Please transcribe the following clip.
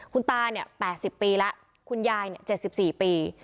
คุณตาเนี่ย๘๐ปีแล้วคุณยายเนี่ย๗๔ปี